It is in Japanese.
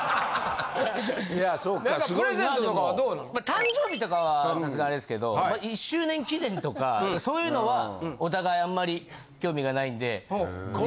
誕生日とかはさすがにあれですけど１周年記念とかそういうのはお互いあんまり興味がないんでやらないですけど。